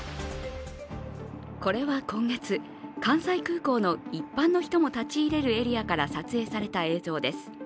これは今月、関西空港の一般の人も立ち入れるエリアから撮影された映像です。